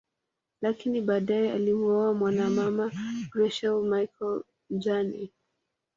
Lakini badae alimuoa mwanamama Graca Michael mjane